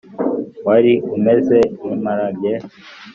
Wari umeze nk imparagee